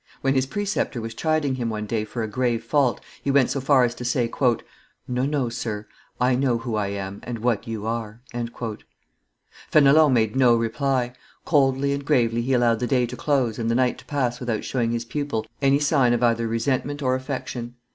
When his preceptor was chiding him one day for a grave fault, he went so far as to say, "No, no, sir; I know who I am and what you are." Fenelon made no reply; coldly and gravely he allowed the day to close and the night to pass without showing his pupil any sign of either resentment or affection.